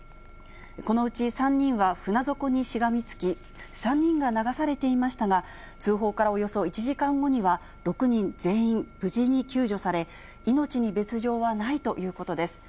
このうち３人は船底にしがみつき、３人が流されていましたが、通報からおよそ１時間後には、６人全員、無事に救助され、命に別状はないということです。